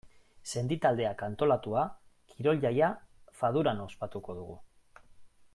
Sendi taldeak antolatua, kirol-jaia Faduran ospatuko dugu.